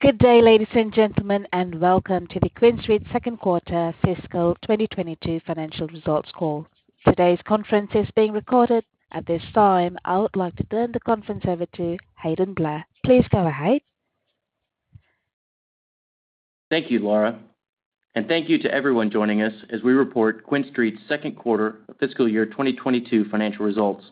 Good day, ladies and gentlemen, and welcome to the QuinStreet second quarter fiscal 2022 financial results call. Today's conference is being recorded. At this time, I would like to turn the conference over to Hayden Blair. Please go ahead. Thank you, Laura, and thank you to everyone joining us as we report QuinStreet's second quarter of fiscal year 2022 financial results.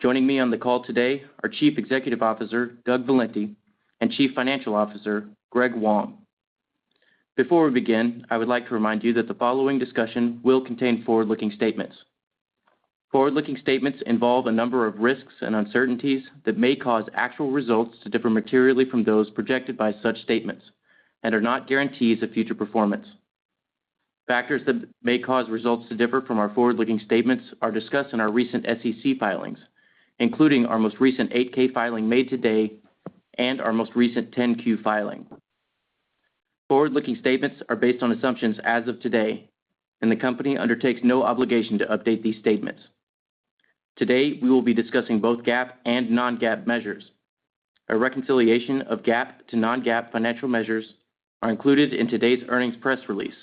Joining me on the call today are Chief Executive Officer, Doug Valenti, and Chief Financial Officer, Greg Wong. Before we begin, I would like to remind you that the following discussion will contain forward-looking statements. Forward-looking statements involve a number of risks and uncertainties that may cause actual results to differ materially from those projected by such statements and are not guarantees of future performance. Factors that may cause results to differ from our forward-looking statements are discussed in our recent SEC filings, including our most recent 8-K filing made today and our most recent 10-Q filing. Forward-looking statements are based on assumptions as of today, and the company undertakes no obligation to update these statements. Today, we will be discussing both GAAP and non-GAAP measures. A reconciliation of GAAP to non-GAAP financial measures are included in today's earnings press release,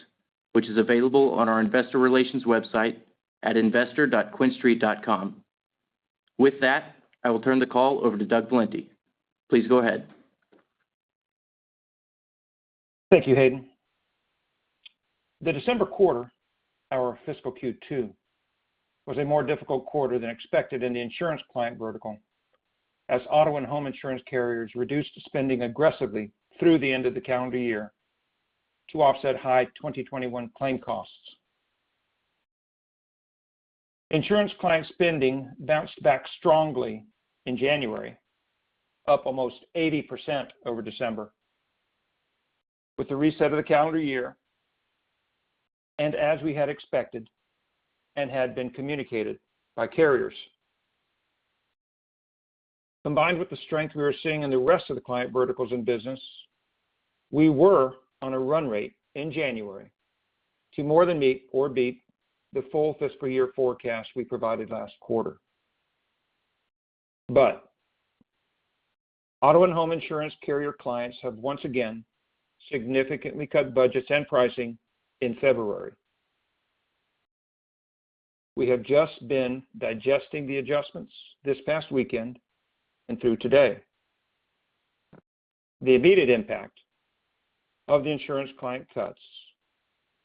which is available on our Investor Relations website at investor.quinstreet.com. With that, I will turn the call over to Doug Valenti. Please go ahead. Thank you, Hayden. The December quarter, our fiscal Q2, was a more difficult quarter than expected in the insurance client vertical as auto and home insurance carriers reduced spending aggressively through the end of the calendar year to offset high 2021 claim costs. Insurance client spending bounced back strongly in January, up almost 80% over December, with the reset of the calendar year, and as we had expected and had been communicated by carriers. Combined with the strength we were seeing in the rest of the client verticals and business, we were on a run rate in January to more than meet or beat the full fiscal year forecast we provided last quarter. Auto and home insurance carrier clients have once again significantly cut budgets and pricing in February. We have just been digesting the adjustments this past weekend and through today. The immediate impact of the insurance client cuts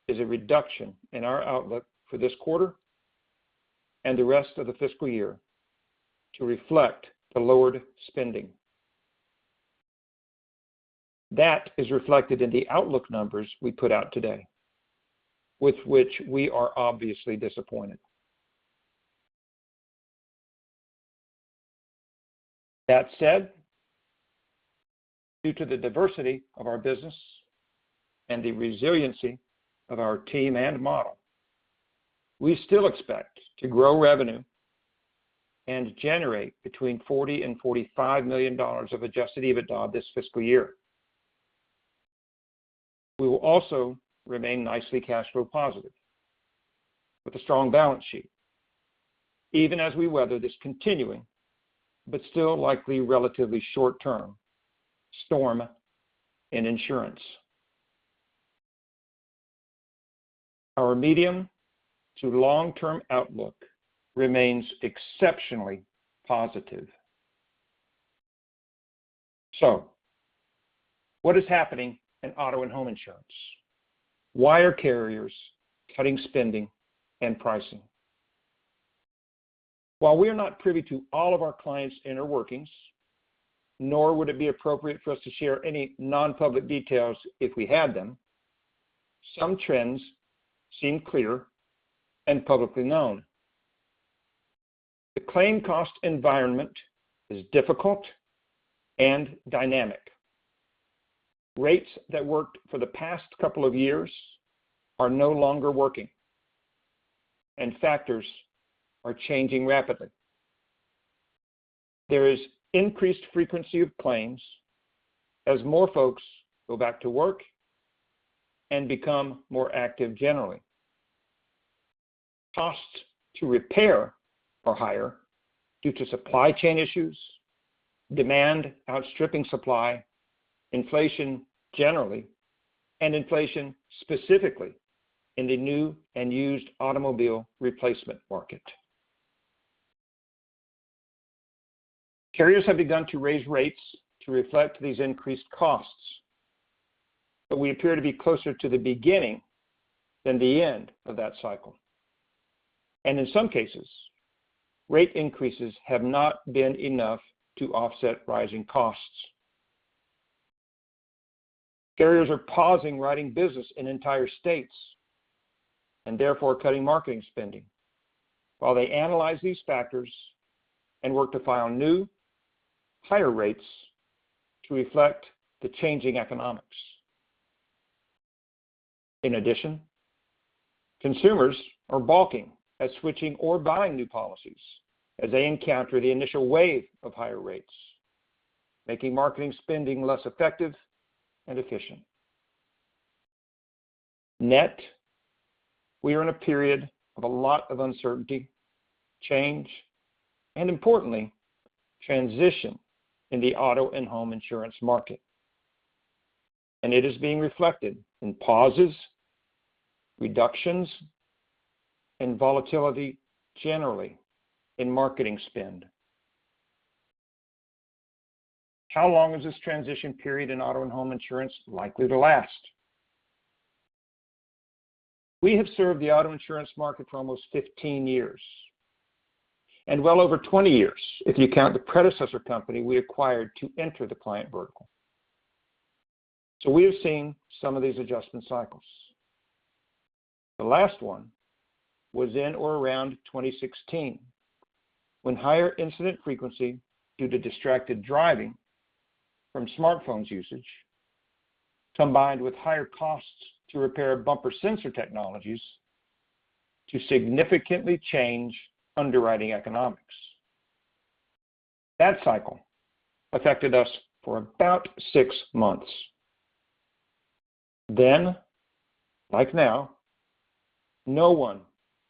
is a reduction in our outlook for this quarter and the rest of the fiscal year to reflect the lowered spending. That is reflected in the outlook numbers we put out today, with which we are obviously disappointed. That said, due to the diversity of our business and the resiliency of our team and model, we still expect to grow revenue and generate between $40 million and $45 million of adjusted EBITDA this fiscal year. We will also remain nicely cash flow positive with a strong balance sheet, even as we weather this continuing but still likely relatively short-term storm in insurance. Our medium to long-term outlook remains exceptionally positive. What is happening in auto and home insurance? Why are carriers cutting spending and pricing? While we are not privy to all of our clients' inner workings, nor would it be appropriate for us to share any non-public details if we had them, some trends seem clear and publicly known. The claim cost environment is difficult and dynamic. Rates that worked for the past couple of years are no longer working, and factors are changing rapidly. There is increased frequency of claims as more folks go back to work and become more active generally. Costs to repair are higher due to supply chain issues, demand outstripping supply, inflation generally, and inflation specifically in the new and used automobile replacement market. Carriers have begun to raise rates to reflect these increased costs, but we appear to be closer to the beginning than the end of that cycle. In some cases, rate increases have not been enough to offset rising costs. Carriers are pausing writing business in entire states and therefore cutting marketing spending while they analyze these factors and work to file new higher rates to reflect the changing economics. In addition, consumers are balking at switching or buying new policies as they encounter the initial wave of higher rates, making marketing spending less effective and efficient. Net, we are in a period of a lot of uncertainty, change, and importantly, transition in the auto and home insurance market. It is being reflected in pauses, reductions, and volatility generally in marketing spend. How long is this transition period in auto and home insurance likely to last? We have served the auto insurance market for almost 15 years, and well over 20 years if you count the predecessor company we acquired to enter the client vertical. We have seen some of these adjustment cycles. The last one was in or around 2016, when higher incident frequency due to distracted driving from smartphones usage, combined with higher costs to repair bumper sensor technologies to significantly change underwriting economics. That cycle affected us for about six months. Like now, no one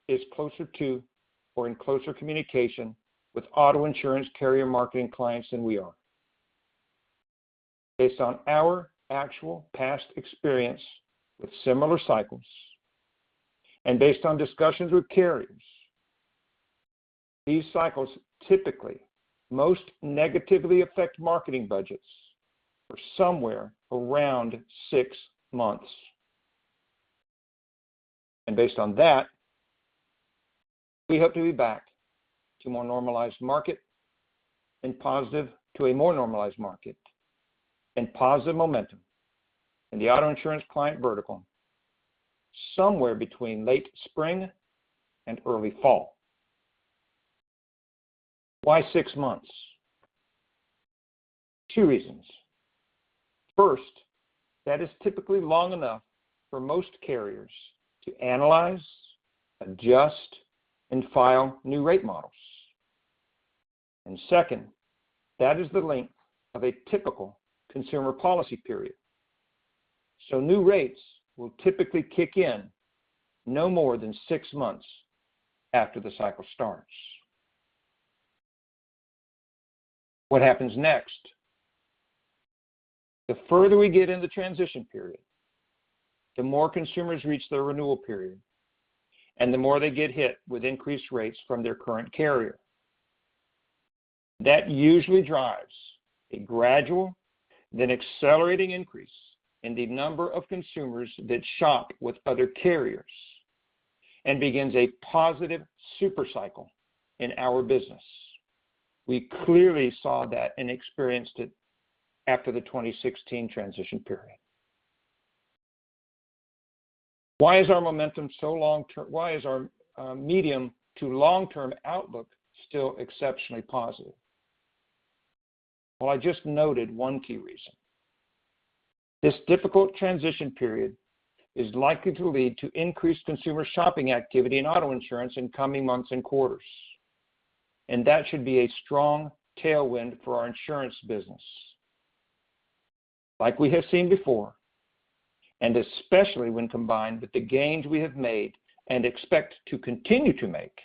is closer to or in closer communication with auto insurance carrier marketing clients than we are. Based on our actual past experience with similar cycles, and based on discussions with carriers, these cycles typically most negatively affect marketing budgets for somewhere around six months. Based on that, we hope to be back to a more normalized market and positive momentum in the auto insurance client vertical somewhere between late spring and early fall. Why six months? Two reasons. First, that is typically long enough for most carriers to analyze, adjust, and file new rate models. Second, that is the length of a typical consumer policy period. New rates will typically kick in no more than six months after the cycle starts. What happens next? The further we get in the transition period, the more consumers reach their renewal period, and the more they get hit with increased rates from their current carrier. That usually drives a gradual then accelerating increase in the number of consumers that shop with other carriers and begins a positive super cycle in our business. We clearly saw that and experienced it after the 2016 transition period. Why is our medium to long-term outlook still exceptionally positive? I just noted one key reason. This difficult transition period is likely to lead to increased consumer shopping activity in auto insurance in coming months and quarters. That should be a strong tailwind for our insurance business. Like we have seen before, and especially when combined with the gains we have made and expect to continue to make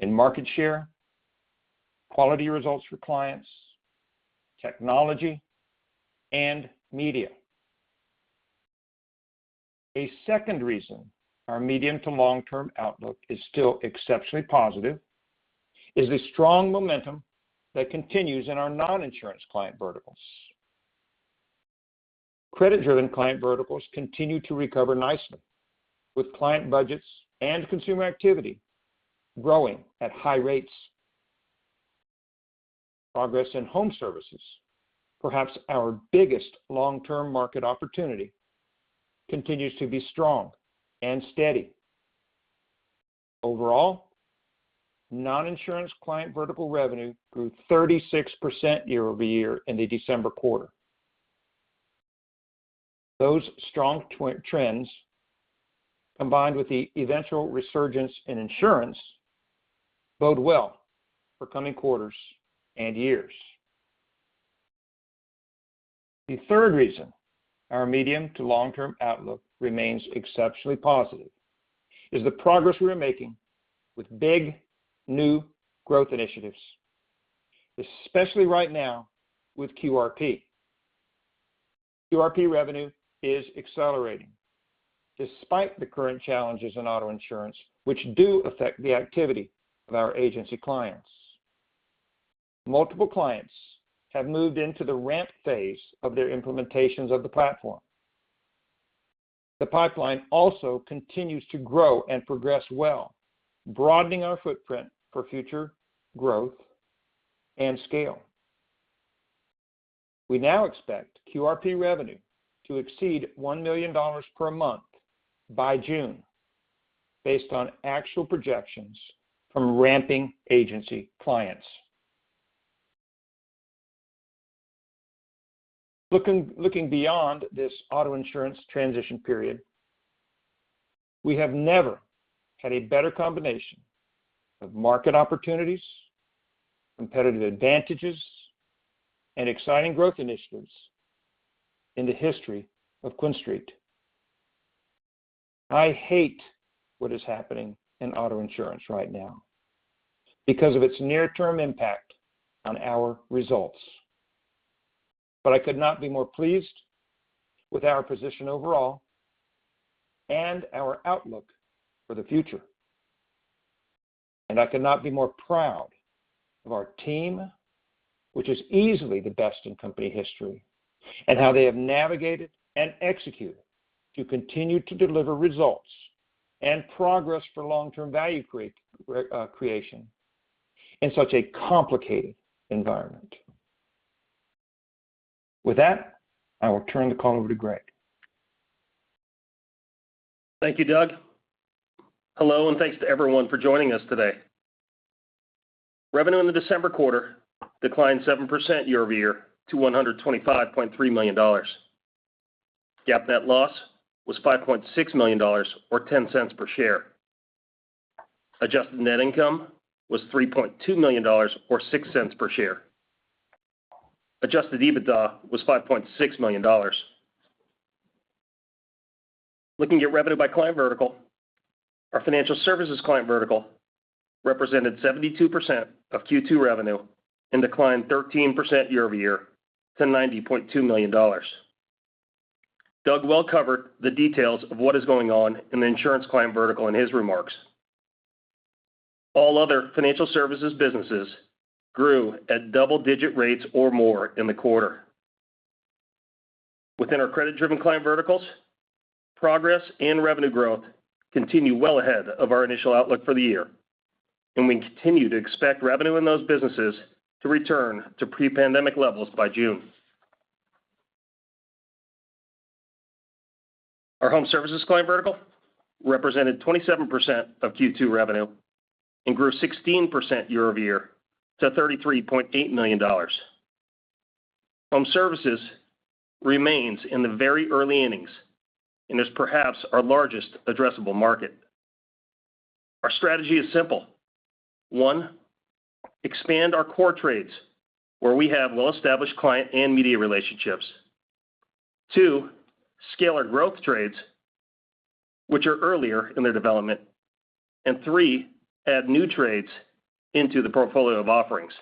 in market share, quality results for clients, technology, and media. A second reason our medium to long-term outlook is still exceptionally positive is the strong momentum that continues in our non-insurance client verticals. Credit-driven client verticals continue to recover nicely with client budgets and consumer activity growing at high rates. Progress in home services, perhaps our biggest long-term market opportunity, continues to be strong and steady. Overall, non-insurance client vertical revenue grew 36% year-over-year in the December quarter. Those strong trends, combined with the eventual resurgence in insurance, bode well for coming quarters and years. The third reason our medium to long-term outlook remains exceptionally positive is the progress we are making with big, new growth initiatives, especially right now with QRP. QRP revenue is accelerating despite the current challenges in auto insurance, which do affect the activity of our agency clients. Multiple clients have moved into the ramp phase of their implementations of the platform. The pipeline also continues to grow and progress well, broadening our footprint for future growth and scale. We now expect QRP revenue to exceed $1 million per month by June based on actual projections from ramping agency clients. Looking beyond this auto insurance transition period, we have never had a better combination of market opportunities, competitive advantages and exciting growth initiatives in the history of QuinStreet. I hate what is happening in auto insurance right now because of its near-term impact on our results. I could not be more pleased with our position overall and our outlook for the future. I could not be more proud of our team, which is easily the best in company history, and how they have navigated and executed to continue to deliver results and progress for long-term value creation in such a complicated environment. With that, I will turn the call over to Greg. Thank you, Doug. Hello, and thanks to everyone for joining us today. Revenue in the December quarter declined 7% year-over-year to $125.3 million. GAAP net loss was $5.6 million or $0.10 per share. Adjusted net income was $3.2 million or $0.06 per share. Adjusted EBITDA was $5.6 million. Looking at revenue by client vertical, our financial services client vertical represented 72% of Q2 revenue and declined 13% year-over-year to $90.2 million. Doug well covered the details of what is going on in the insurance client vertical in his remarks. All other financial services businesses grew at double-digit rates or more in the quarter. Within our credit-driven client verticals, progress and revenue growth continue well ahead of our initial outlook for the year, and we continue to expect revenue in those businesses to return to pre-pandemic levels by June. Our home services client vertical represented 27% of Q2 revenue and grew 16% year-over-year to $33.8 million. Home services remains in the very early innings and is perhaps our largest addressable market. Our strategy is simple. One, expand our core trades where we have well-established client and media relationships. Two, scale our growth trades, which are earlier in their development. And three, add new trades into the portfolio of offerings.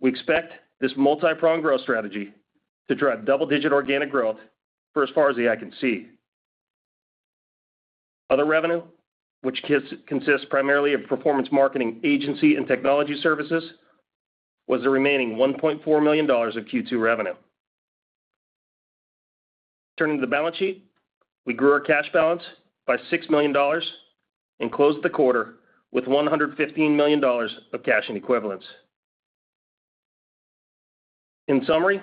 We expect this multi-pronged growth strategy to drive double-digit organic growth for as far as the eye can see. Other revenue, which consists primarily of performance marketing agency and technology services, was the remaining $1.4 million of Q2 revenue. Turning to the balance sheet, we grew our cash balance by $6 million and closed the quarter with $115 million of cash and equivalents. In summary,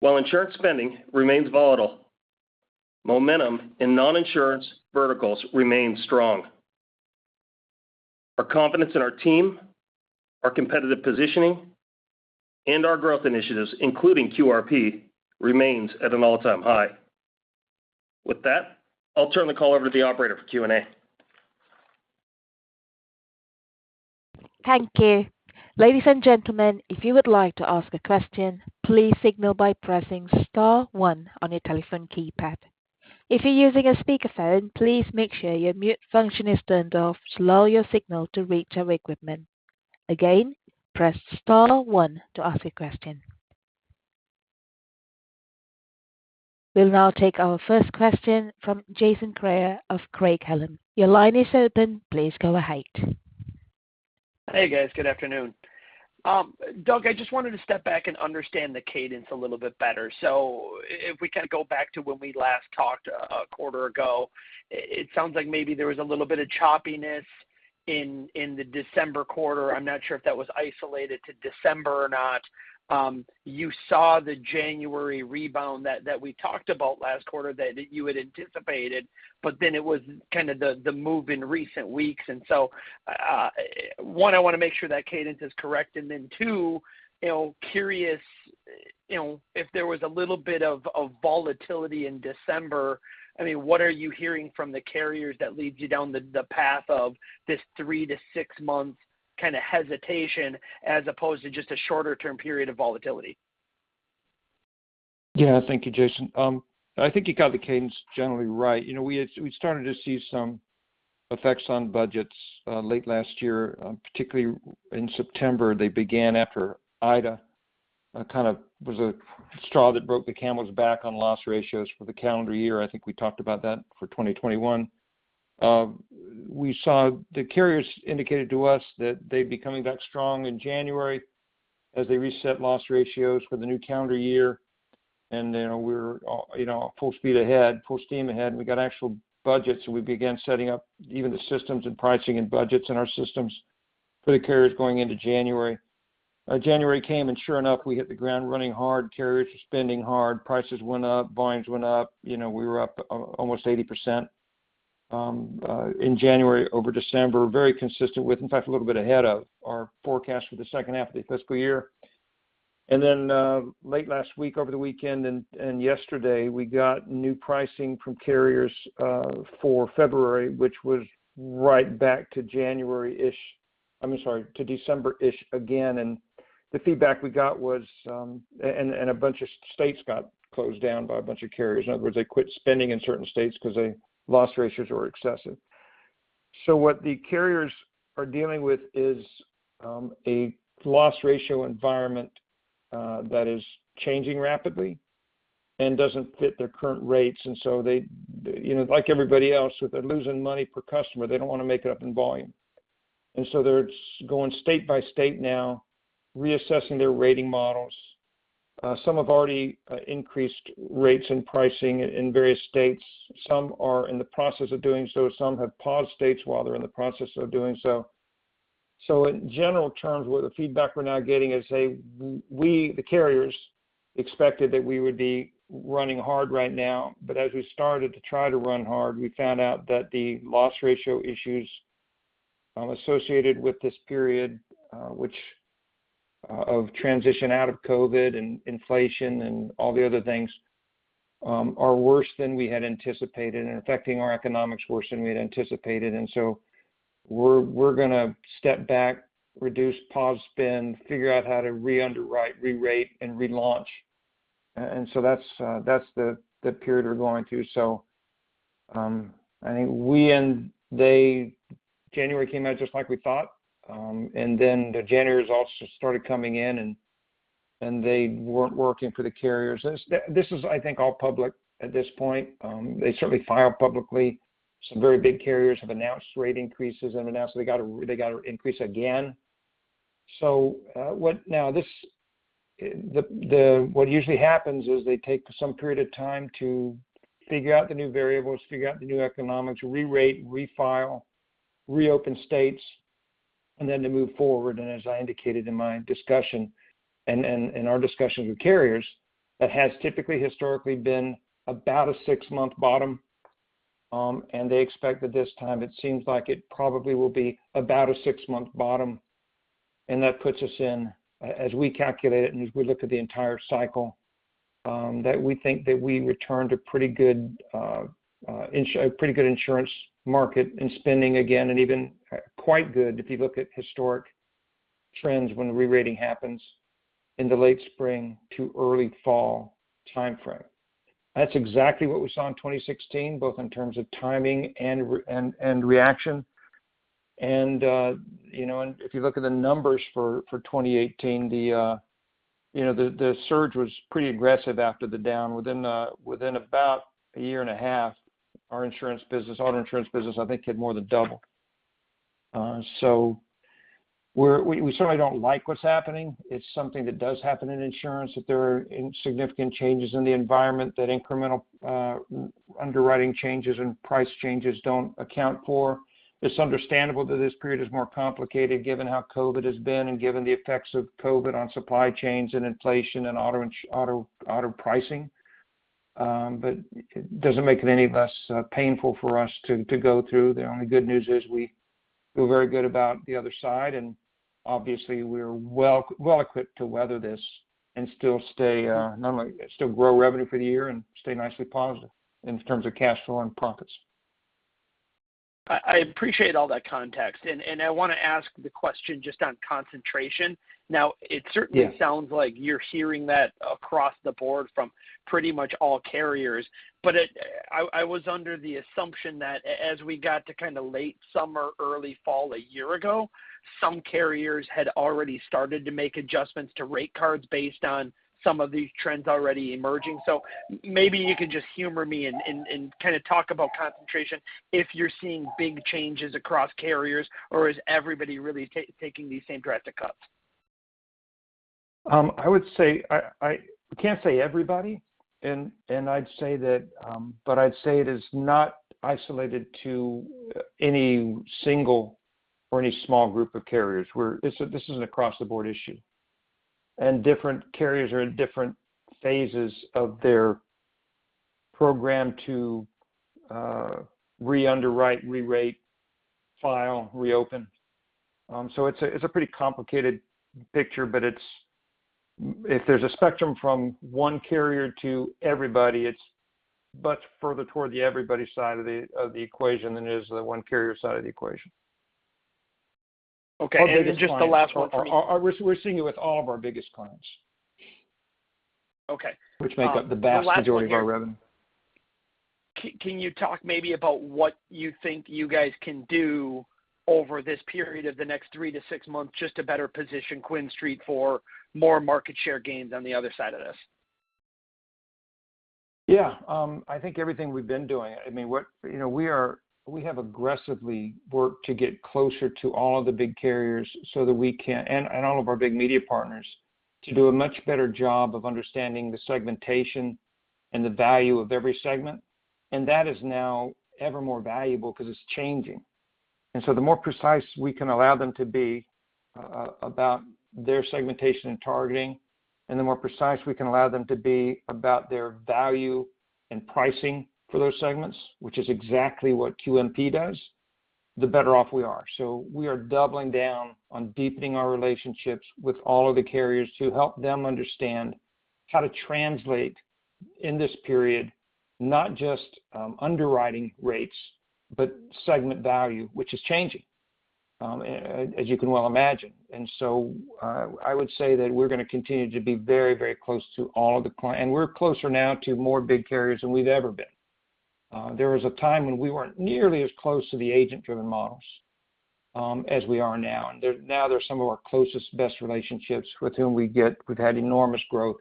while insurance spending remains volatile, momentum in non-insurance verticals remains strong. Our confidence in our team, our competitive positioning, and our growth initiatives, including QRP, remains at an all-time high. With that, I'll turn the call over to the operator for Q&A. Thank you. Ladies and gentlemen, if you would like to ask a question, please signal by pressing star one on your telephone keypad. If you're using a speakerphone, please make sure your mute function is turned off to allow your signal to reach our equipment. Again, press star one to ask a question. We'll now take our first question from Jason Kreyer of Craig-Hallum. Your line is open. Please go ahead. Hey, guys. Good afternoon. Doug, I just wanted to step back and understand the cadence a little bit better. If we kind of go back to when we last talked a quarter ago, it sounds like maybe there was a little bit of choppiness in the December quarter. I'm not sure if that was isolated to December or not. You saw the January rebound that we talked about last quarter that you had anticipated, but then it was kind of the move in recent weeks. One, I want to make sure that cadence is correct. Two, you know, I'm curious, you know, if there was a little bit of volatility in December, I mean, what are you hearing from the carriers that leads you down the path of this three to six months kind of hesitation as opposed to just a shorter-term period of volatility? Yeah. Thank you, Jason. I think you got the cadence generally right. You know, we started to see some effects on budgets late last year, particularly in September. They began after Ida, kind of was a straw that broke the camel's back on loss ratios for the calendar year. I think we talked about that for 2021. We saw the carriers indicated to us that they'd be coming back strong in January as they reset loss ratios for the new calendar year. You know, we're you know, full speed ahead, full steam ahead, and we got actual budgets, so we began setting up even the systems and pricing and budgets in our systems for the carriers going into January. January came, and sure enough, we hit the ground running hard. Carriers are spending hard. Prices went up. Volumes went up. You know, we were up almost 80% in January over December. Very consistent with, in fact, a little bit ahead of our forecast for the second half of the fiscal year. Late last week, over the weekend and yesterday, we got new pricing from carriers for February, which was right back to December-ish again. The feedback we got was. A bunch of states got closed down by a bunch of carriers. In other words, they quit spending in certain states 'cause loss ratios were excessive. What the carriers are dealing with is a loss ratio environment that is changing rapidly and doesn't fit their current rates. They, you know, like everybody else, if they're losing money per customer, they don't wanna make it up in volume. They're just going state by state now, reassessing their rating models. Some have already increased rates and pricing in various states. Some are in the process of doing so. Some have paused states while they're in the process of doing so. In general terms, the feedback we're now getting is, hey, we, the carriers, expected that we would be running hard right now. As we started to try to run hard, we found out that the loss ratio issues associated with this period of transition out of COVID and inflation and all the other things are worse than we had anticipated and affecting our economics worse than we had anticipated. We're gonna step back, reduce, pause spend, figure out how to re-underwrite, re-rate, and relaunch. That's the period we're going through. I think we and they- January came out just like we thought. Then the January results just started coming in, and they weren't working for the carriers. This is, I think, all public at this point. They certainly filed publicly. Some very big carriers have announced rate increases and announced they gotta increase again. What usually happens is they take some period of time to figure out the new variables, figure out the new economics, re-rate, re-file, reopen states, and then to move forward. As I indicated in my discussion and in our discussions with carriers, that has typically historically been about a six-month bottom. They expect that this time it seems like it probably will be about a six-month bottom. That puts us in, as we calculate it and as we look at the entire cycle, that we think that we return to a pretty good insurance market and spending again, and even quite good if you look at historic trends when the re-rating happens in the late spring to early fall timeframe. That's exactly what we saw in 2016, both in terms of timing and reaction. You know, if you look at the numbers for 2018, the surge was pretty aggressive after the down. Within about a year and a half, our insurance business, auto insurance business I think had more than doubled. We certainly don't like what's happening. It's something that does happen in insurance, that there are insignificant changes in the environment that incremental underwriting changes and price changes don't account for. It's understandable that this period is more complicated given how COVID has been and given the effects of COVID on supply chains and inflation and auto insurance and auto pricing. It doesn't make it any less painful for us to go through. The only good news is we feel very good about the other side, and obviously we're well equipped to weather this and still stay normally still grow revenue for the year and stay nicely positive in terms of cash flow and profits. I appreciate all that context. I wanna ask the question just on concentration. Now, it certainly- Yeah. -sounds like you're hearing that across the board from pretty much all carriers. It was under the assumption that as we got to kind of late summer, early fall a year ago, some carriers had already started to make adjustments to rate cards based on some of these trends already emerging. Maybe you can just humor me and kinda talk about concentration, if you're seeing big changes across carriers, or is everybody really taking these same drastic cuts? I would say I can't say everybody, but I'd say it is not isolated to any single or any small group of carriers. This is an across-the-board issue, and different carriers are in different phases of their program to re-underwrite, re-rate, file, reopen. It's a pretty complicated picture, but it's if there's a spectrum from one carrier to everybody, it's much further toward the everybody side of the equation than it is the one carrier side of the equation. Okay. Just the last one for me. We're seeing it with all of our biggest clients. Okay. Which make up the vast majority of our revenue. Can you talk maybe about what you think you guys can do over this period of the next three to six months just to better position QuinStreet for more market share gains on the other side of this? Yeah. I think everything we've been doing. I mean, what, you know, we have aggressively worked to get closer to all of the big carriers so that we can, and all of our big media partners, to do a much better job of understanding the segmentation and the value of every segment. That is now ever more valuable because it's changing. The more precise we can allow them to be, about their segmentation and targeting, and the more precise we can allow them to be about their value and pricing for those segments, which is exactly what QMP does. The better off we are. We are doubling down on deepening our relationships with all of the carriers to help them understand how to translate in this period, not just underwriting rates, but segment value, which is changing, as you can well imagine. I would say that we're gonna continue to be very, very close to all of the and we're closer now to more big carriers than we've ever been. There was a time when we weren't nearly as close to the agent-driven models, as we are now. Now they're some of our closest best relationships with whom we've had enormous growth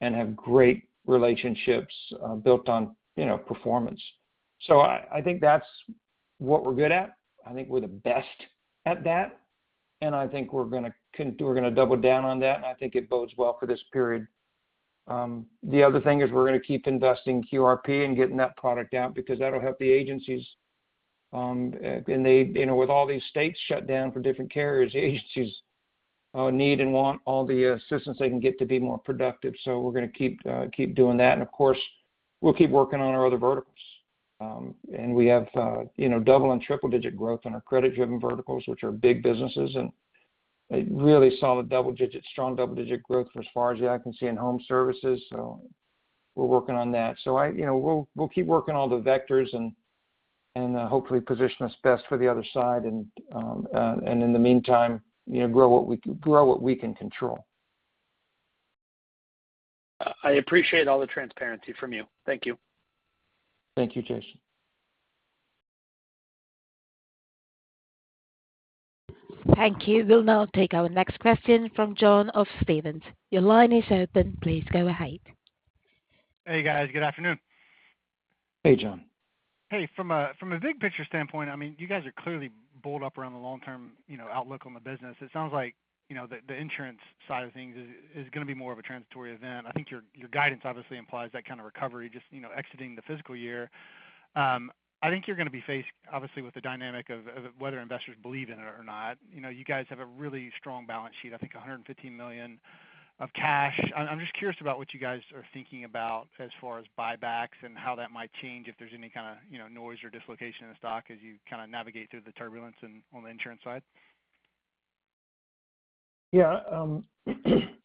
and have great relationships, built on, you know, performance. I think that's what we're good at. I think we're the best at that, and I think we're gonna double down on that, and I think it bodes well for this period. The other thing is we're gonna keep investing QRP and getting that product out because that'll help the agencies. You know, with all these states shut down for different carriers, agencies need and want all the assistance they can get to be more productive. We're gonna keep doing that. Of course, we'll keep working on our other verticals. We have, you know, double- and triple-digit growth in our credit-driven verticals, which are big businesses. A really solid, strong double-digit growth as far as the eye can see in home services, so we're working on that. I... You know, we'll keep working all the vectors and hopefully position us best for the other side and in the meantime, you know, grow what we can control. I appreciate all the transparency from you. Thank you. Thank you, Jason. Thank you. We'll now take our next question from John of Stephens. Your line is open. Please go ahead. Hey, guys. Good afternoon. Hey, John. Hey, from a big picture standpoint, I mean, you guys are clearly bullish on the long-term, you know, outlook on the business. It sounds like, you know, the insurance side of things is gonna be more of a transitory event. I think your guidance obviously implies that kind of recovery just, you know, exiting the fiscal year. I think you're gonna be faced obviously with the dynamic of whether investors believe in it or not. You know, you guys have a really strong balance sheet, I think $115 million of cash. I'm just curious about what you guys are thinking about as far as buybacks and how that might change if there's any kinda, you know, noise or dislocation in the stock as you kinda navigate through the turbulence on the insurance side. Yeah.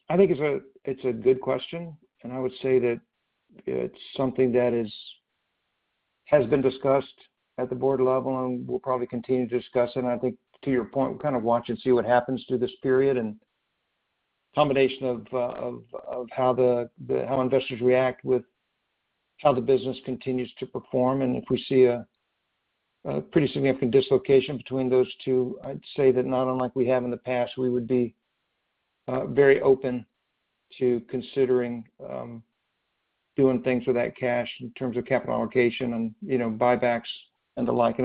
I think it's a good question, and I would say that it's something that has been discussed at the board level, and we'll probably continue to discuss it. I think to your point, we'll kind of watch and see what happens through this period and combination of how investors react with how the business continues to perform. If we see a pretty significant dislocation between those two, I'd say that not unlike we have in the past, we would be very open to considering doing things with that cash in terms of capital allocation and, you know, buybacks and the like.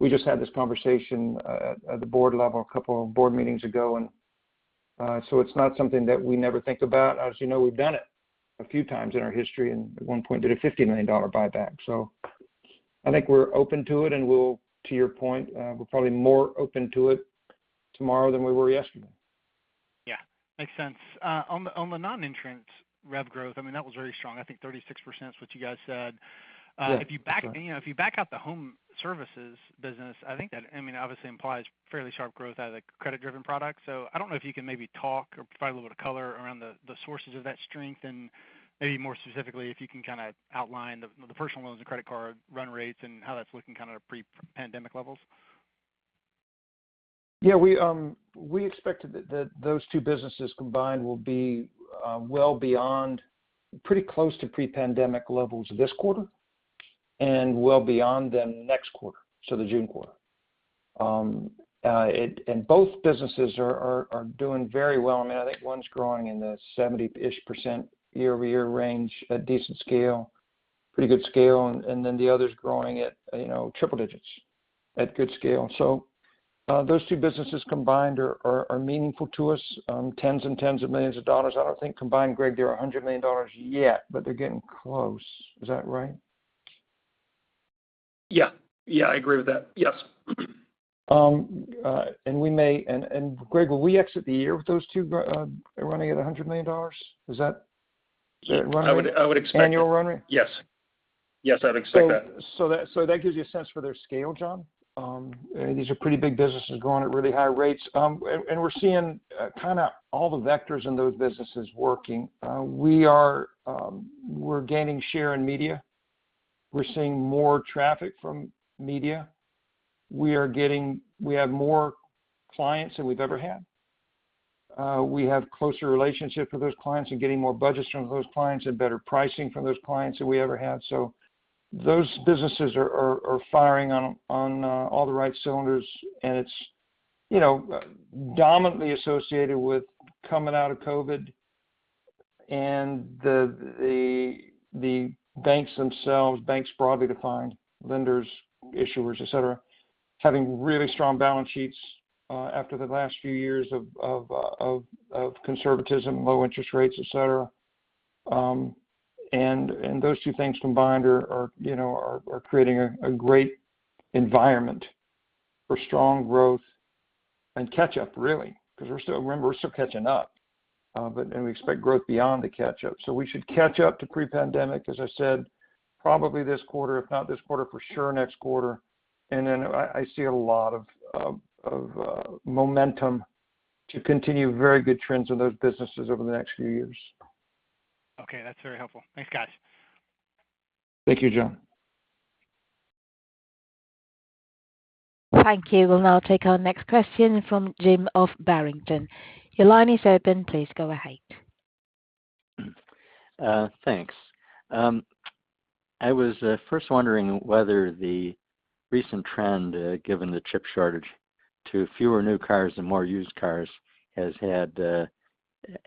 We just had this conversation at the board level a couple of board meetings ago. It's not something that we never think about. As you know, we've done it a few times in our history and at one point did a $50 million buyback. I think we're open to it, and we'll, to your point, we're probably more open to it tomorrow than we were yesterday. Yeah. Makes sense. On the non-insurance rev growth, I mean, that was very strong. I think 36% is what you guys said. Yeah. If you back out the home services business, I think that, you know, I mean, obviously implies fairly sharp growth out of the credit-driven product. I don't know if you can maybe talk or provide a little bit of color around the sources of that strength, and maybe more specifically, if you can kinda outline the personal loans and credit card run rates and how that's looking kind of pre-pandemic levels. Yeah. We expected that those two businesses combined will be well beyond pretty close to pre-pandemic levels this quarter and well beyond them next quarter, so the June quarter. Both businesses are doing very well. I mean, I think one's growing in the 70-ish% year-over-year range at decent scale, pretty good scale, and then the other's growing at, you know, triple digits at good scale. Those two businesses combined are meaningful to us, tens and tens of millions of dollars. I don't think combined, Greg, they're $100 million yet, but they're getting close. Is that right? Yeah, I agree with that. Yes. Greg, will we exit the year with those two running at $100 million? Is it running? I would expect it. Annual run rate? Yes, I would expect that. That gives you a sense for their scale, John. These are pretty big businesses growing at really high rates. We're seeing kinda all the vectors in those businesses working. We're gaining share in media. We're seeing more traffic from media. We have more clients than we've ever had. We have closer relationships with those clients and getting more budgets from those clients and better pricing from those clients than we ever had. Those businesses are firing on all the right cylinders, and it's, you know, dominantly associated with coming out of COVID and the banks themselves, banks broadly defined, lenders, issuers, et cetera, having really strong balance sheets after the last few years of conservatism, low interest rates, et cetera. Those two things combined are, you know, creating a great environment for strong growth and catch-up really, because remember, we're still catching up. We expect growth beyond the catch-up. We should catch up to pre-pandemic, as I said, probably this quarter, if not this quarter, for sure next quarter. Then I see a lot of momentum to continue very good trends in those businesses over the next few years. Okay. That's very helpful. Thanks, guys. Thank you, John. Thank you. We'll now take our next question from Jim of Barrington. Your line is open. Please go ahead. Thanks. I was first wondering whether the recent trend, given the chip shortage to fewer new cars and more used cars has had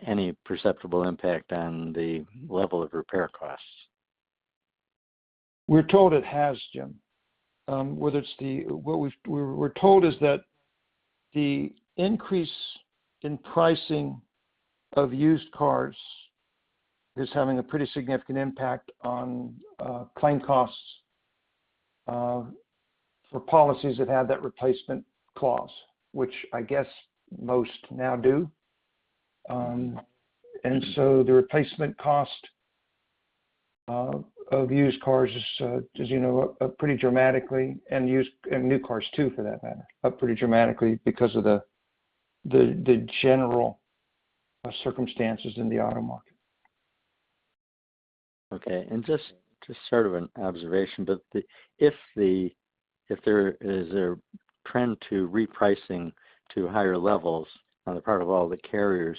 any perceptible impact on the level of repair costs. We're told it has, Jim. We're told that the increase in pricing of used cars is having a pretty significant impact on claim costs for policies that have that replacement clause, which I guess most now do. The replacement cost of used cars is, as you know, up pretty dramatically, and used and new cars too, for that matter, up pretty dramatically because of the general circumstances in the auto market. Okay. Just sort of an observation, but if there is a trend to repricing to higher levels on the part of all the carriers,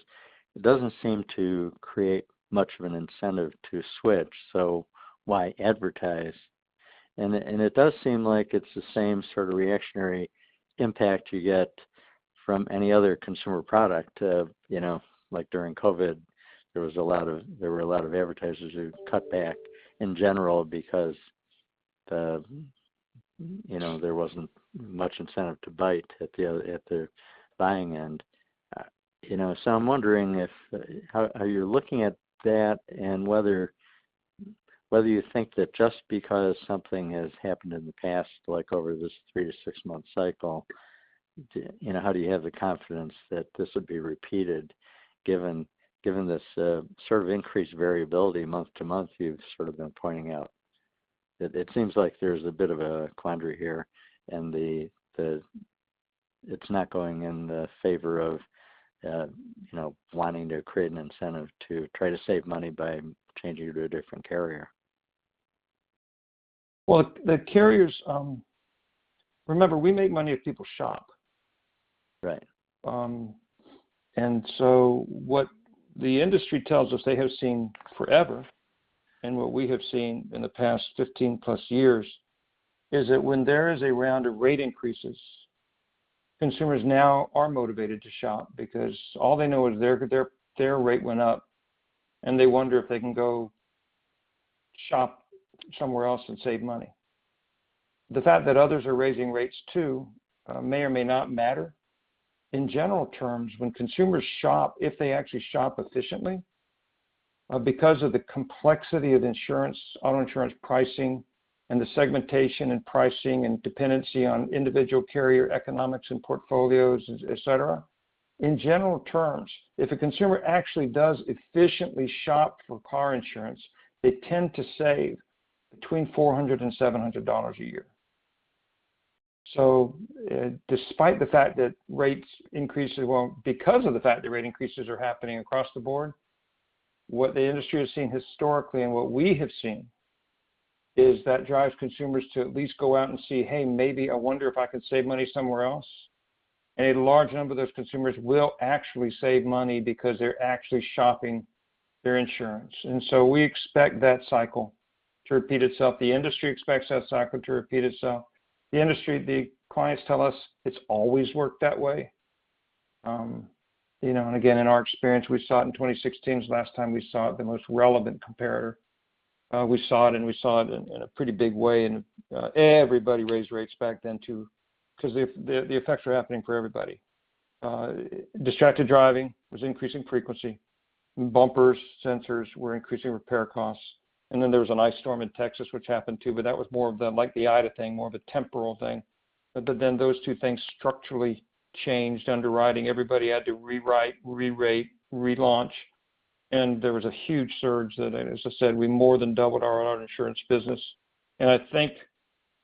it doesn't seem to create much of an incentive to switch. Why advertise? It does seem like it's the same sort of reactionary impact you get from any other consumer product of, you know, like during COVID, there were a lot of advertisers who cut back in general because, you know, there wasn't much incentive to bite at the buying end. You know, so I'm wondering if, are you looking at that and whether you think that just because something has happened in the past, like over this three- to six-month cycle, you know, how do you have the confidence that this would be repeated given this sort of increased variability month to month, you've sort of been pointing out? It seems like there's a bit of a quandary here. It's not going in the favor of you know wanting to create an incentive to try to save money by changing to a different carrier. Well, the carriers, remember, we make money if people shop. Right. What the industry tells us they have seen forever, and what we have seen in the past 15+ years, is that when there is a round of rate increases, consumers now are motivated to shop because all they know is their rate went up, and they wonder if they can go shop somewhere else and save money. The fact that others are raising rates, too, may or may not matter. In general terms, when consumers shop, if they actually shop efficiently because of the complexity of insurance, auto insurance pricing, and the segmentation and pricing and dependency on individual carrier economics and portfolios, et cetera, in general terms, if a consumer actually does efficiently shop for car insurance, they tend to save between $400 and $700 a year. Despite the fact that rates increase, well, because of the fact that rate increases are happening across the board, what the industry has seen historically and what we have seen is that drives consumers to at least go out and see, hey, maybe I wonder if I could save money somewhere else. A large number of those consumers will actually save money because they're actually shopping their insurance. We expect that cycle to repeat itself. The industry expects that cycle to repeat itself. The industry, the clients tell us it's always worked that way. You know, again, in our experience, we saw it in 2016 is the last time we saw it, the most relevant comparator. We saw it, and we saw it in a pretty big way. Everybody raised rates back then too, 'cause the effects were happening for everybody. Distracted driving was increasing frequency. Bumpers, sensors were increasing repair costs. Then there was an ice storm in Texas, which happened too, but that was more of the like the Ida thing, more of a temporal thing. Then those two things structurally changed underwriting. Everybody had to rewrite, re-rate, relaunch, and there was a huge surge that, as I said, we more than doubled our auto insurance business. I think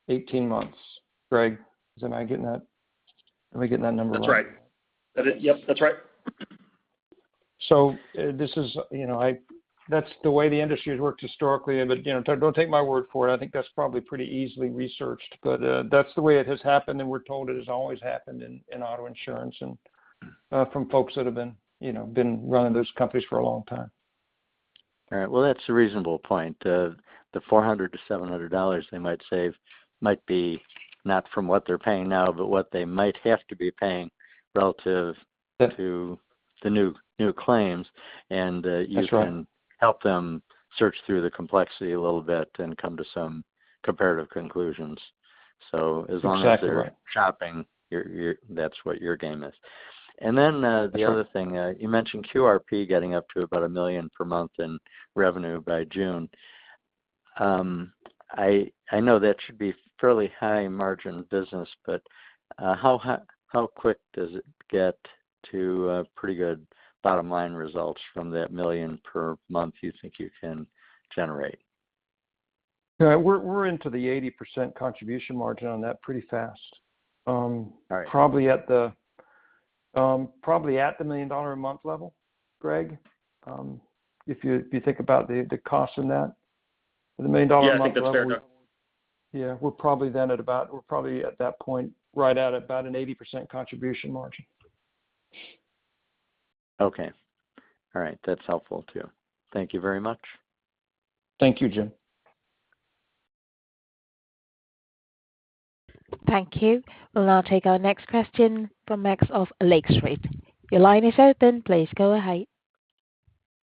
18 months. Greg, am I getting that? Am I getting that number right? That's right. Yep, that's right. That's the way the industry has worked historically. Again, don't take my word for it. I think that's probably pretty easily researched. That's the way it has happened, and we're told it has always happened in auto insurance and from folks that have been you know running those companies for a long time. All right. Well, that's a reasonable point. The $400-$700 they might save might be not from what they're paying now, but what they might have to be paying relative to the new claims. That's right. You can help them search through the complexity a little bit and come to some comparative conclusions. As long as- Exactly right. -they're shopping, you're that's what your game is. That's right. The other thing, you mentioned QRP getting up to about $1 million per month in revenue by June. I know that should be fairly high margin business, but, how quick does it get to a pretty good bottom line results from that $1 million per month you think you can generate? Yeah. We're into the 80% contribution margin on that pretty fast. All right. Probably at the $1 million a month level, Greg, if you think about the cost in that. Yeah, I think that's fair enough. Yeah. We're probably at that point right at about an 80% contribution margin. Okay. All right. That's helpful too. Thank you very much. Thank you, Jim. Thank you. We'll now take our next question from Max of Lake Street. Your line is open. Please go ahead.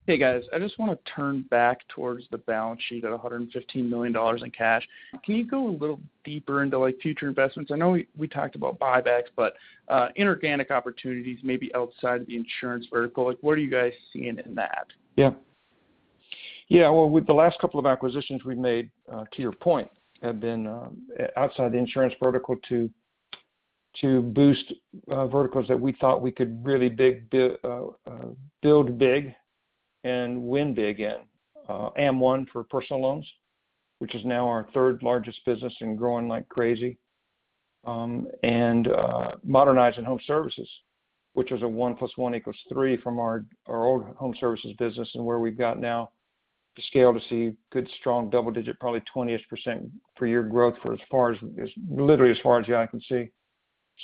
Hey, guys. I just wanna turn back towards the balance sheet at $115 million in cash. Can you go a little deeper into like future investments? I know we talked about buybacks, but inorganic opportunities maybe outside of the insurance vertical, like what are you guys seeing in that? Well, with the last couple of acquisitions we've made, to your point, have been outside the insurance vertical to boost verticals that we thought we could really build big and win big in, AmOne for personal loans, which is now our third largest business and growing like crazy. And Modernize Home Services, which was a one plus one equals three from our old home services business and where we've got now the scale to see good, strong double-digit, probably 20% year growth for literally as far as the eye can see.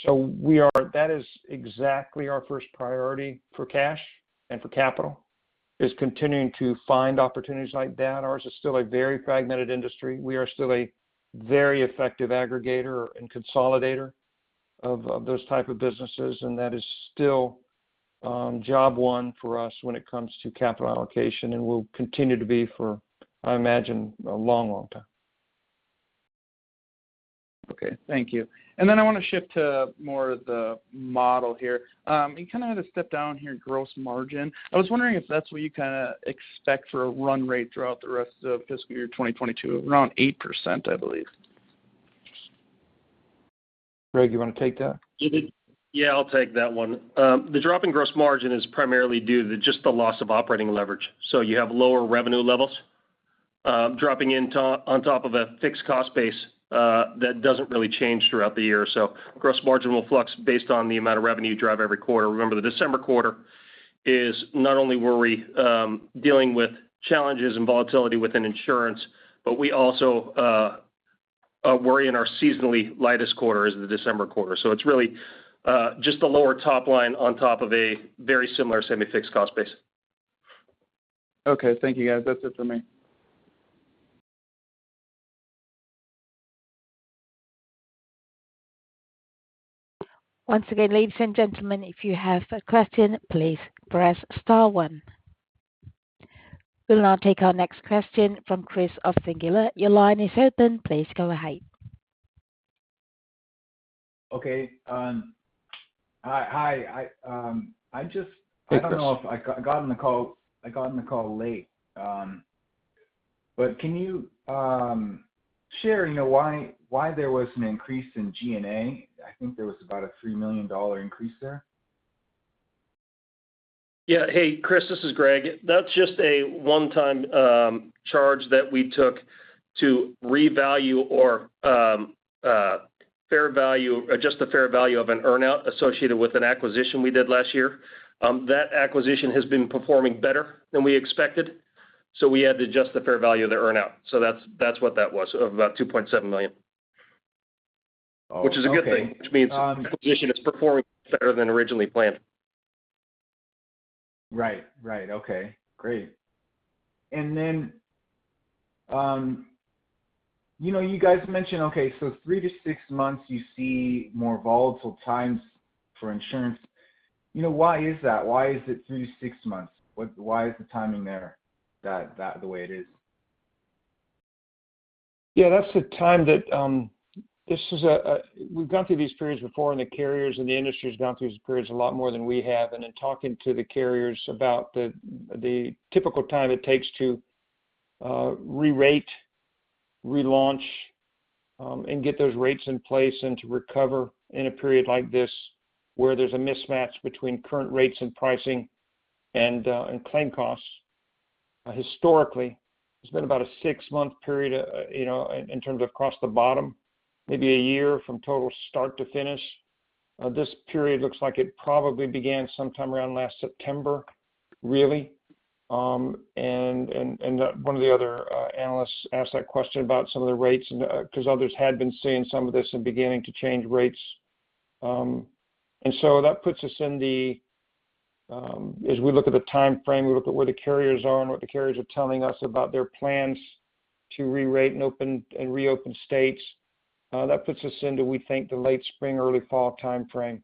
That is exactly our first priority for cash and for capital, is continuing to find opportunities like that. Ours is still a very fragmented industry. We are still a very effective aggregator and consolidator of those type of businesses, and that is still job one for us when it comes to capital allocation, and will continue to be for, I imagine, a long, long time. Okay. Thank you. I wanna shift to more of the model here. You kinda had a step down here in gross margin. I was wondering if that's what you kinda expect for a run rate throughout the rest of fiscal year 2022. Around 8%, I believe. Greg, you wanna take that? Yeah, I'll take that one. The drop in gross margin is primarily due to just the loss of operating leverage. You have lower revenue levels dropping on top of a fixed cost base that doesn't really change throughout the year. Gross margin will fluctuate based on the amount of revenue you drive every quarter. Remember, the December quarter is not only were we dealing with challenges and volatility within insurance, but we also were in our seasonally lightest quarter as the December quarter. It's really just a lower top line on top of a very similar semi-fixed cost base. Okay. Thank you, guys. That's it for me. Once again, ladies and gentlemen, if you have a question, please press star one. We'll now take our next question from Chris of Singular. Your line is open. Please go ahead. Okay. Hi. I just- Hey, Chris. I don't know if I got in the call, I got in the call late. Can you share, you know, why there was an increase in G&A? I think there was about a $3 million increase there. Yeah. Hey, Chris. This is Greg. That's just a one-time charge that we took to revalue or fair value adjust the fair value of an earn-out associated with an acquisition we did last year. That acquisition has been performing better than we expected, so we had to adjust the fair value of the earn-out. That's what that was, of about $2.7 million. Oh, okay. Which is a good thing, which means the acquisition is performing better than originally planned. Right. Okay. Great. You know, you guys mentioned, okay, so three to six months you see more volatile times for insurance. You know, why is that? Why is it three to six months? Why is the timing there that the way it is? Yeah. That's the time that we've gone through these periods before, and the carriers and the industry's gone through these periods a lot more than we have. In talking to the carriers about the typical time it takes to re-rate, relaunch, and get those rates in place and to recover in a period like this where there's a mismatch between current rates and pricing and claim costs, historically it's been about a six-month period, you know, in terms of across the bottom, maybe a year from total start to finish. This period looks like it probably began sometime around last September, really. One of the other analysts asked that question about some of the rates 'cause others had been seeing some of this and beginning to change rates. That puts us in the timeframe as we look at where the carriers are and what the carriers are telling us about their plans to re-rate and open and reopen states. That puts us into, we think, the late spring, early fall timeframe.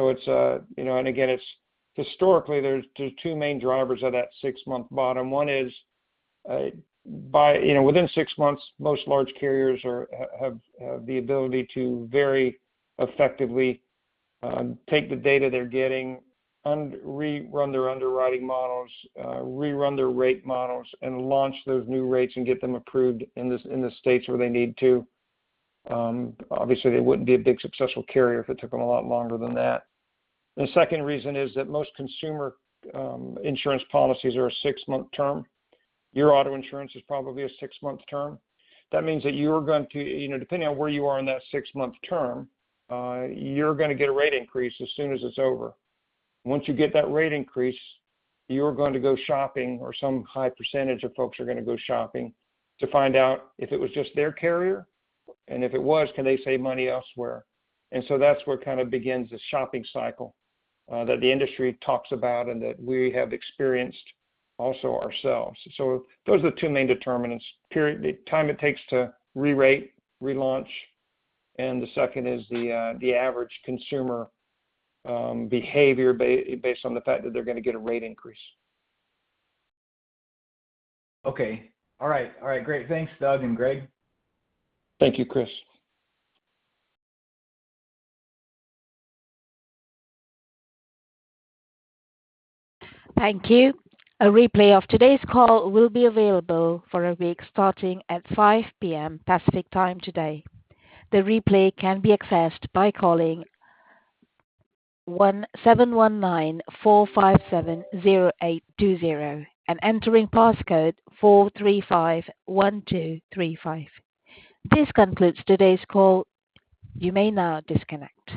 It's, you know, and again, it's historically there's two main drivers of that six-month bottom. One is, you know, within six months, most large carriers have the ability to very effectively take the data they're getting and rerun their underwriting models, rerun their rate models and launch those new rates and get them approved in the states where they need to. Obviously, they wouldn't be a big successful carrier if it took them a lot longer than that. The second reason is that most consumer insurance policies are a six-month term. Your auto insurance is probably a six-month term. That means that you're going to, you know, depending on where you are in that six-month term, you're gonna get a rate increase as soon as it's over. Once you get that rate increase, you're going to go shopping, or some high percentage of folks are gonna go shopping to find out if it was just their carrier, and if it was, can they save money elsewhere? That's where kind of begins the shopping cycle, that the industry talks about and that we have experienced also ourselves. Those are the two main determinants. First, the time it takes to re-rate, relaunch, and the second is the average consumer behavior based on the fact that they're gonna get a rate increase. Okay. All right. Great. Thanks, Doug and Greg. Thank you, Chris. Thank you. A replay of today's call will be available for a week, starting at 5:00 P.M. Pacific Time today. The replay can be accessed by calling 719-457-0820 and entering passcode 4351235. This concludes today's call. You may now disconnect.